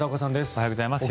おはようございます。